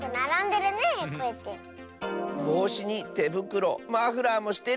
ぼうしにてぶくろマフラーもしてる！